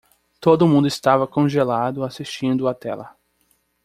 Todo mundo estava congelado assistindo a tela.